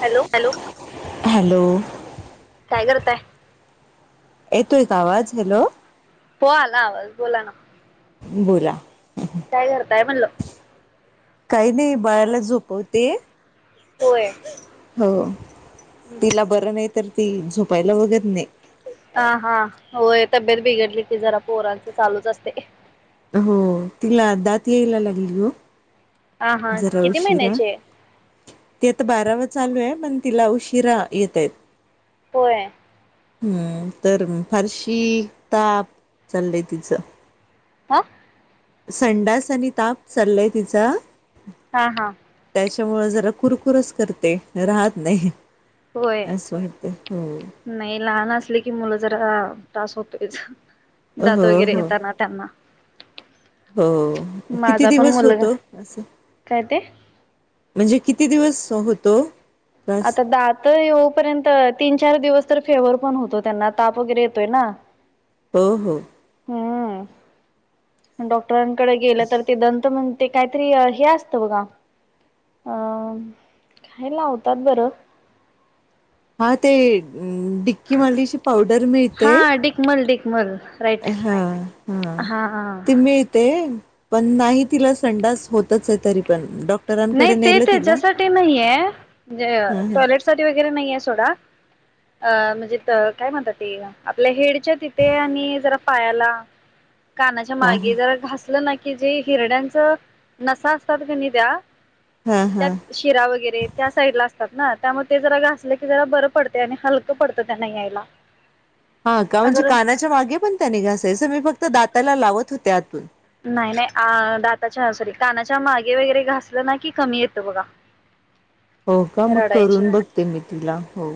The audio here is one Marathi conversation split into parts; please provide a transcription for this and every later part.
Hello hello hello. काय करताय? येतोय काय आवाज हॅलो? हो आला आवाज बोला ना. बोला काय करताय म्हणलं काही नाही बाळाला झोपवते, होय हो. तिला बरं नाही, तर ती झोपायला वगैर नाही हा, हा होय तब्येत बिघडलीवती जरा पोरांच चालूच असतंय. हो तिला दात यायला लागली हो हा हा जरा किती उशिरा महिन्याचे ती आता बारावा चालू आहे पण तिला उशिरा येत आहेत. होय. हम्म तर फारशी ताप चाललय तिचं हा संडास आणि ताप चाललाय तिचा हा हा त्याच्यामुंल जरा कुरकुरच करते राहत नाही. होय असं वाटते हो नाही लहान असले की मुलं जरा तास होतोय दात हो वगैरे हो येतातना त्यांना हो किती माझा पण दिवस मुलगा होतो असं काय ते म्हणजे किती दिवस होतो? त्रास आता दात येऊपर्यंत तीनश चार दिवस तर फेवर पण होतो त्यांना ताप वगैरे येतोय ना हो हो, हम्म डॉक्टरांकडे गेलं तर ते दंत मग ते काहीतरी हे असतं बघा अं काय लावतात बरं हा ते डिक्की मालीची पावडर मिळते. हा डिकमल डिकमल राईट हा हा ती मिळते. पण नाही तिला संडास होतच आहे तरी पण डॉ नाही ते त्याच्यासाठी नाहीय म्हणजे हा हा टॉयलेट सा वगैरे नाहीे सोडा अं म्हणजे काय म्हणतात आपल्या हेडच्या तिथे आणि जरा पायाला, कानाच्या हा हा मागे जरा घासलं ना की जे हिरड्यांच नसा असतात क नि त्या्या हा हा त्यात शिरा वगैरे त्या साईड ला असतात. ना त्यामुळे ते जरा घासलं की जरा बरं पडते आणि हलकं पडतं त्या नाही यायला, हा का म्हणजे अगर कानाच्या मागे पण त्याने घासायचं मी फक्त दाताला लावत होते आतून नाही नाही दाताच्या सॉरी कानाच्या मागे वगैरे घासलं ना की कमी येतं बघा, हा हो का मग करून बघते मी तुला हो,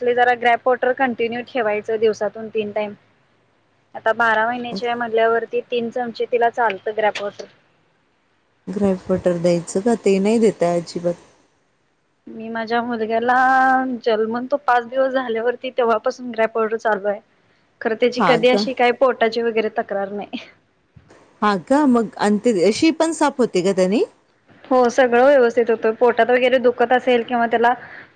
ज ग्रॅप रवाटर कंटिन्यू ठेवायच दिवसातून तीन टाइम आता बारा महिन्याच्या म्हल्यावरती तीन चमचे तिला चालतं ग्रॅपट ग्रॅफ वाटर द्यायचं का ते नाही दता अजिबात मी माझ्या मुलग्याला जन्मन तो पाच दिवस झाल्यावरती तेव्हापासून ग्रॅपडर वॉटर चालू खरं त्याची हा कधी का अशी काही पोटाची वगैरे तक्रार नाही. हा का मग अंत अशी पण साप होते का त्यानी [inaudible] हो सगळं व्यवस्थित होतो पोटात वगैरे दुखत असेल किंवा त्याला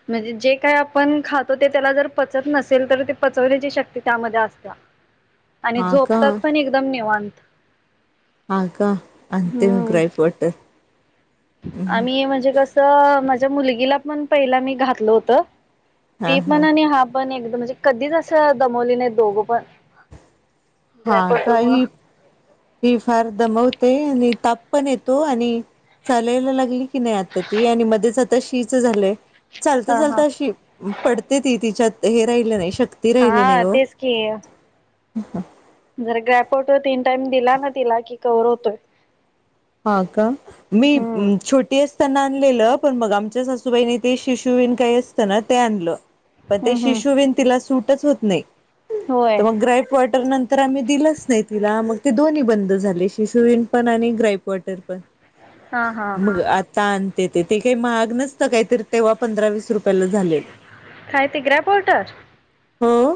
म्हणजे जे काय आपण खातो ते त्याला जर पचत नसेल तर ते पचवण्याची शक्ती त्यामध्ये असत आणि हा का झोपतात पण एकदम निवांत ह का अंत म हम्म ग्राय पटर आम्ही म्हणजे कसं माझ्या मुलगीला पण पहिला मी घातल होत. ती पण आणि हा पण एकदम म्हणजे कधीच असं दमवली नाही दोघं पण हा का पटरंग ही [inaudible] ही फार दमवते आणि ताप पण येतो आणि, चालायला लागली की नाही आता ती आणि मध्येच आता शीच झालंय चालत हा हा चालतं अशी पडते ती तिच्यात हे राहिलं नाही शक्य हा तेच की, ह हा जर ग्रॅपउट वॉटर तीन टाइम दिला ना तिला कि कवर होतोय. हा का मी हम्म छोटी असताना आणलेलं पण मग आमच्या सासूबाईने ते शिशू बन काही असतं ना ते आणलं पण ते हम्म हम्म शिशू बन तिला सूटच होत नाही. होय तर मग ग्रा ई प वॉटर नंतर आम्ही दिलंच नाही. तिला मग ते दोन्ही बंद झाले शिशुवीन पण आणि ग्राईप वॉटर पण हा हा मग आता आणते ते ते काही महाग नसतं काहीतरी तेव्हा पंधरा विस रुपये काय ते ग्रॅप वॉटर? हो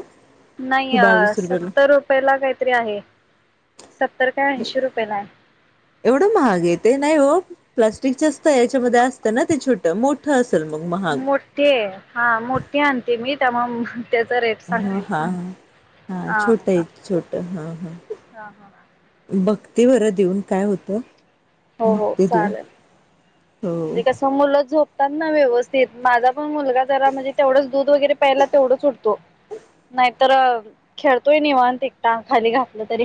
नाही कि अ बावीस रुपयाला सत्तर रुपयेला काहीतरी आहे. सत्तर काय ऐंशी रुपये ला आहे. एवढं महाग आहे ते नाही हो प्लास्टिकच च तर ह्याच्यामध्ये असतं ना ते छोट मोठ अस मोठे हां मोठे आणते मी त्यामुळं म हा हा हा छोट एक छोट हा हा. हा हा. बघते बरं देऊन काय होतंय. हो हो चालेल, हो म्हणजे कसं मुलं झोपतात ना व्यवस्थित, माझा पण मुलगा जरा म्हणजे तेवढंच दूध वगैरे पेयला तेवढंच उठतो. नाहीतर खेळतोय निवांत एकटा खाली घातलं तरी.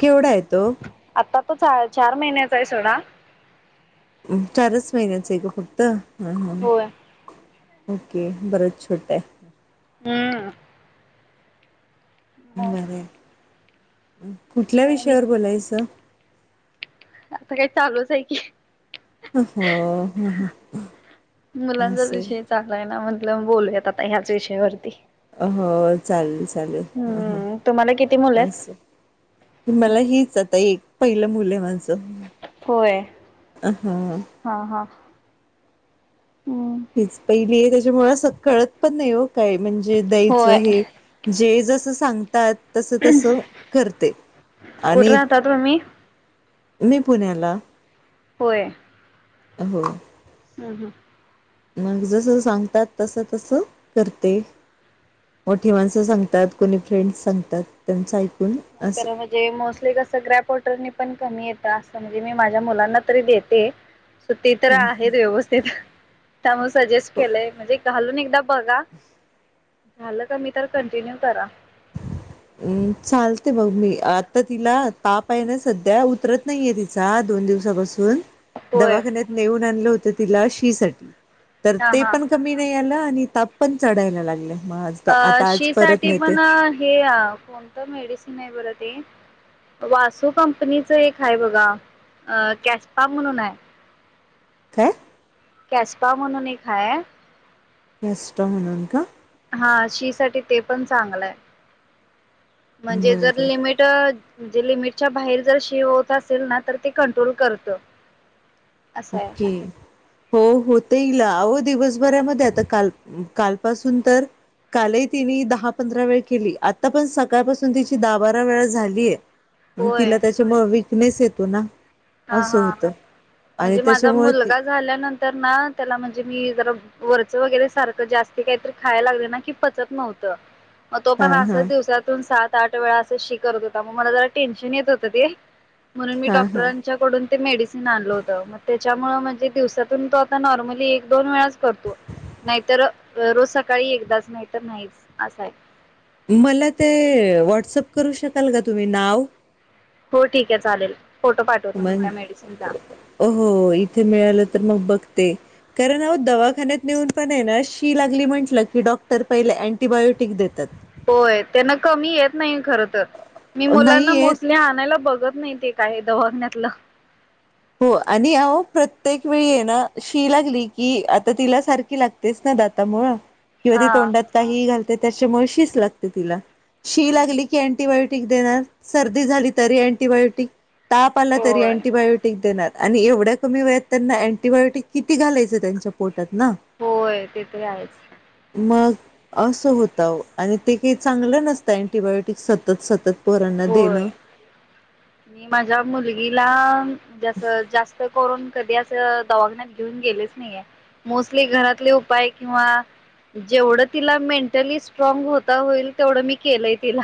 केवढाय तो? आता तो चा चार महिन्याचा हाय सोडा. चारच महिन्याचं आहे का फक्त? हम्म हम्म. होय ओके, बरंच छोटं आहे. हम्म. मग बरंय, कुठल्या काय नाही विषयावर बोलायचं? आता काय चालूच हाय की. हो ह ह मुलांचाच असं विषय चाललाय ना म्ह ल बोलूयात आता ह्याच विषयावरती. अ हो चालेल च चालेल. हां हां हम्म तुम्हाला किती मुलं मला आहेत? असं. मला हिच आता एक पहिलं मुलं आहे माझं, होय. हां. हा हा. हम्म हीच पहिली आहे त्याच्यामुळे, असं कळत पण नाही ओ. काय म्हणजे द्यायचं होय. हे, जे जसं सांगतात तस तस करते. कुठे आणि राहता तुम्ही? मी पुण्याला. होय. हो. हम्म हम्म. मग जसं सांगतात, तस तस करते. मोठी माणसं नाही सांगतात, कोणी फ्रेंडस सांगतात त्यांच ऐक नाही खर म्हणजे मोस्टली कसं ग्रॅप वॉटरने पण कमी येत असं म्हणजे मी माझ्या मुलांना तरी देते ते तर आहेत व्यवस्थित. त्यामुळे सजेस्ट केलंय, म्हणजे घालून एकदा बघा. झालं कमी तर कंटिन्यू करा. हम्म चालते मग मी. आता तिला ताप आहे ना सध्या उतरत नाहीये तिचा दोन दोन दिवसापासून. होय दवाखान्यात नेऊन आणलं होतं तिला शी साठी. तर हा ते हा. पण कमी नाही आलं आणि ताप पण चढायला लागलाय. अ -शी साठी पण हे- कोणतं मेडिसिन आहे बरं ते वासू कंपनीच एक हाय बघा, कॅस्पा म्हणून हाय. काय? कॅसपा म्हणून एक हाय. कॅस्पा म्हणून का? हां शी साठी ते पण चांगलंय. म्हणजे जर बरं लिमिट म्हणजे लिमिटच्या बाहेर जर शी होत असेल ना, तर ते कंट्रोल करत. असं आहे ओके. हो होते हिला आव दिवसभरामध्ये आता काल, कालपासून तर कालही तिने दहा पंधरा वेळ केली. आता पण सकाळपासून तिची दहा बारा वेळा झालिये. मग होय तिला त्याच्यामुंळ विकनेस येतो ना, हा असं हा होतं. आणि म्हणजे माझा त्याच्यामुळे ती मुलगा झाल्यानंतर ना, त्याला म्हणजे मी मी जरा वरच वगैरे सारखं जास्त काहीतरी खायला लागले ना की पचत नव्हतं. मग तो हा पण अस हा दिवसातून सात सात वेळा असं शी करत होता मग मला जरा टेन्शन येत होत ते. म्हणून मी हा हा डाक्टरांना मेडिसिन आणलं होत. मग त्याच्यामुळे म्हणजे दिवसातून तो आता नॉर्मली एक दोन वेळा करतो. नाहीतर रोज सकाळी एकदाच. नाही तर नाहीच असा आहे ते. मला ते व्हॉट्सअप करू शकाल का तुम्ही नाव हो ठीक आहे चालेल. फोटो पाठवते मी मण त्या मेडिसिनचा. हो हो इथे मिळालं तर मग बघते. कारण अ दवाखान्यात नेऊन पण आहे ना शी लागली म्हटलं की डॉक्टर पहिले अँटीबायोटिक देतात. होय त्यांना कमी येत नाही खर तर मी मुलांना नाहीयेत मोस्टली आणायला बघ. बघत नाही ते काय दवाखण्यातलं. हो आणि अ प्रत्येक वेळी ये ना शी लागली की आता तिला सारखी लागतेच ना. दाता मुळ. किंवा हा तोंडात काही घालते त्याच्यामुळे शीचं लागते तिला शी लागली की अँटीबायोटिक. दे सर्दी झाली तरी अंटीबायोटिक. ताप आला तरी होय अँटी बायोट देणार आणि एवढ्या कमी वेळत त्यांना अँटीबायोटिक किती घालायचं त्यांच्या पोट. ना होय ते तरी आहेच मग. असं होत आणि ते काही चांगलं नसत अंटीबायोटिक सतत सतत. पोरानं ना होय देनं. मी माझ्या मुलगीला जस जास्त करून कधी अस दवाखान्यात घेऊन. गेलेच नाही मोस्टली घरातले उपाय किंवा. जेवढं तिला मेंटली स्ट्रॉंग होता होईल तेवढं मी केलंय तिला.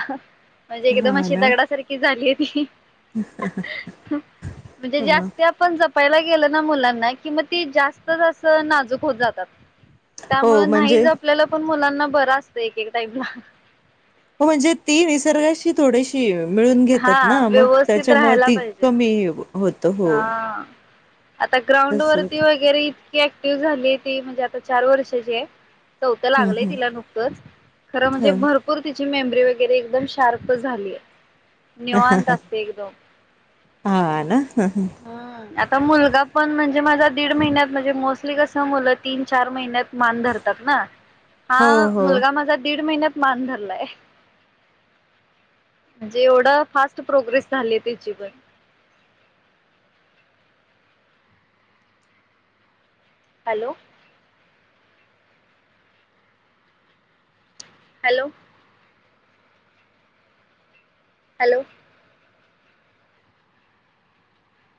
म्हणजे एकदम हा अशी ना दगडासारखी झालिये ती म्हणजे ह जास्त आपण जपल. जपायला गेलं ना मुलांना कि, मग ती जास्त जा नाजूक होत जातात. हो त्यामुंळ नाहीच म्हणजे जपलेलं आपल्याला पण मुलांना बरं असतं. एक एक टाईमला. हो म्हणजे ती निसर्गाशी थोडीशी. मिळून घेतात हा ना. मग व्यवस्थित त्याच्यामुळे राहायला ती पाहिजेत कमी होत. हा. आता ग्राउंड तस वरती होत वगैरे इतकी ऍक्टिव्ह झाली ती म्हणजे आता चार वर्षाची आहे. चौथं लागलय हम्म तिला नुकतंच खरं म्हणजे ह भरपूर तीच. मेमरी वगैरे एकदम शार्प झालीयं. निवांत असते एकदम. हा ना. हम् आता मुलगा पण म्हणजे- म्हणजे माझा दीड महिन्यात म्हणजे मोस्टली कसं मुलं तीन चार महिन्यात. मान धरतात ना. हो हा हो. मुलगा माझा दीड महिन्यात. मानं धरयलाय. म्हणजे एवढा फास्ट प्रोग्रेस झालीय त्याची पण. हॅलो. हॅलो. हॅलो.